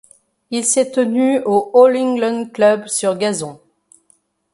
Il s'est tenu au All England Club sur Gazon.